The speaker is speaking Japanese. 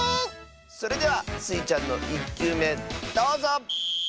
それではスイちゃんの１きゅうめどうぞ！